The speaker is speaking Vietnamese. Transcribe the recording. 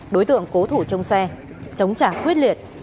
đối tượng cố thủ trong xe chống trả quyết liệt